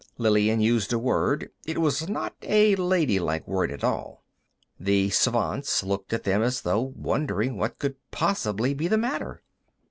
Lillian used a word; it was not a ladylike word at all. The Svants looked at them as though wondering what could possibly be the matter.